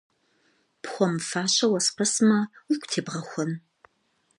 Пхуэмыфащэ уэспэсмэ, уигу тебгъэхуэн?